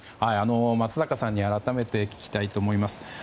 松坂さんに改めて聞きたいと思います。